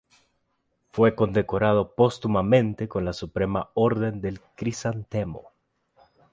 Fue condecorado póstumamente con la Suprema Orden del Crisantemo.